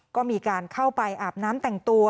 ก็มีการเข้าไปอาบน้ำแต่งตัว